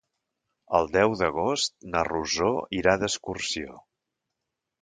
El deu d'agost na Rosó irà d'excursió.